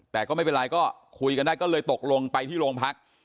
แต่ก็ไม่เป็นไรก็คุยกันได้ก็เลยตกลงไปที่โรงพัก